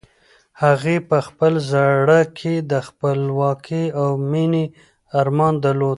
هغې په خپل زړه کې د خپلواکۍ او مېنې ارمان درلود.